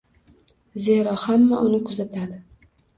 Zero, hamma uni kuzatadi.